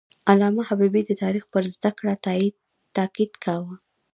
علامه حبیبي د تاریخ پر زده کړه تاکید کاوه.